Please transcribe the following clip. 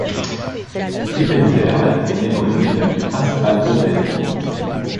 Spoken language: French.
Griepenkerl est né dans l'une des familles principales d'Oldenbourg.